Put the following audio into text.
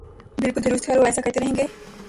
بالکل درست ہے اور وہ ایسا کرتے رہیں گے۔